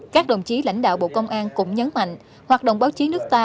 các đồng chí lãnh đạo bộ công an cũng nhấn mạnh hoạt động báo chí nước ta